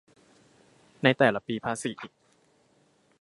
ในแต่ละปีภาษี